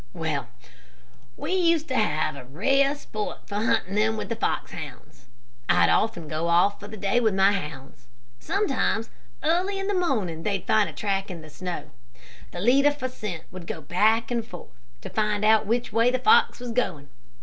"Well, we used to have rare sport hunting them with fox hounds. I'd often go off for the day with my hounds. Sometimes in the early morning they'd find a track in the snow. The leader for scent would go back and forth, to find out which way the fox was going.